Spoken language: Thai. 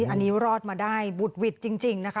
อันนี้รอดมาได้บุดหวิดจริงนะคะ